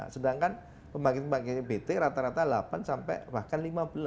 sedangkan pembangkit pembangkit ebt rata rata delapan sampai bahkan lima belas